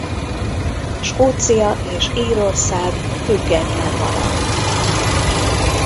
Skócia és Írország független maradt.